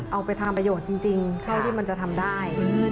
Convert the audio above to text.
เอาไปทำประโยชน์จริงเท่าที่มันจะทำได้